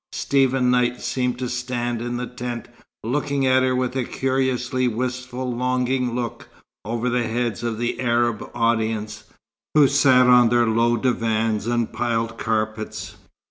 Stephen Knight seemed to stand in the tent, looking at her with a curiously wistful, longing look, over the heads of the Arab audience, who sat on their low divans and piled carpets.